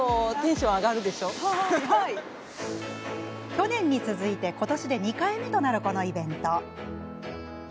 去年に続き、今年で２回目となるこのイベント。